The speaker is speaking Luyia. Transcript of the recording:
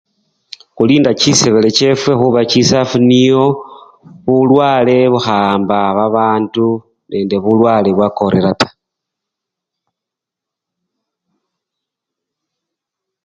Khulinda chisenele chefwe khuba chisafwi nio bulwale bukhawamba babandu nende bulwale bwa corona taa.